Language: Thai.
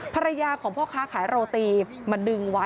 ภรรยาของพ่อค้าขายโรตีมาดึงไว้